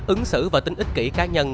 ứng xử và tính ích kỹ cá nhân